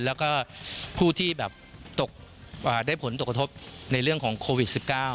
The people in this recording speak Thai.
และก็ผู้ที่ได้ผลตกศพในเรื่องของโควิด๑๙